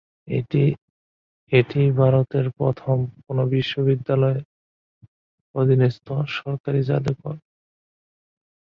এটিই ভারতের প্রথম কোনো বিশ্ববিদ্যালয়ের অধীনস্থ সরকারি জাদুঘর।